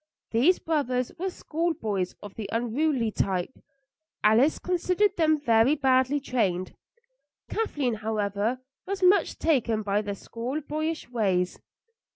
These brothers were schoolboys of the unruly type. Alice considered them very badly trained. Kathleen, however, was much taken by their schoolboyish ways.